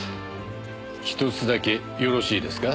ひとつだけよろしいですか？